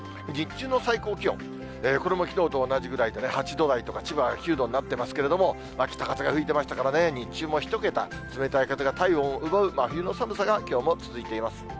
日中の最高気温、これもきのうと同じぐらい、８度台と、千葉は９度になってますけれども、北風が吹いてましたからね、日中も１桁、冷たい風が体温を奪う真冬の寒さがきょうも続いています。